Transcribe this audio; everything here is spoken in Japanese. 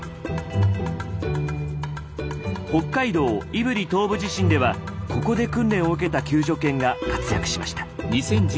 北海道胆振東部地震ではここで訓練を受けた救助犬が活躍しました。